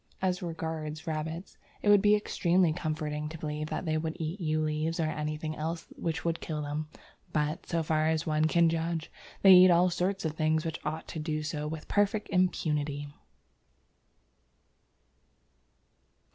As regards rabbits, it would be extremely comforting to believe that they would eat yew leaves or anything else which would kill them, but, so far as one can judge, they can eat all sorts of things which ought to do so with perfect impunity.